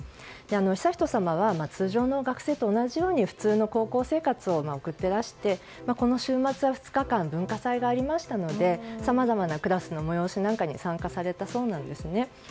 悠仁さまは通常の学生と同じように普通の高校生活を送っていらしてこの週末は２日間、文化祭がありましたのでさまざまなクラスの催しなんかに参加されたそうなんですね。